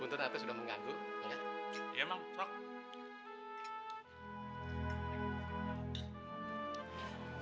untuk atas udah mengganggu ya emang